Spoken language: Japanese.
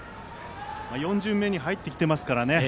４巡目に入ってきてますからね。